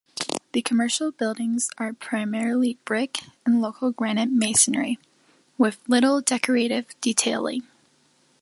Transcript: The commercial buildings are primarily brick and local granite masonry, with little decorative detailing.